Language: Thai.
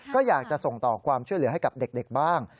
ก็อยากจะส่งต่อความช่วยเหลือให้กับเด็กบ้าง